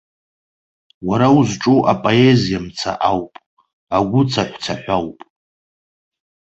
Уара узҿу апоезиа мца ауп, агәы цаҳәцаҳә ауп.